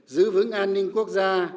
giữ vững an ninh quốc gia